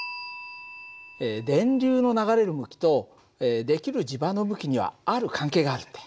電流の流れる向きと出来る磁場の向きにはある関係があるんだよ。